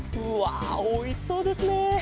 うわおいしそうですね。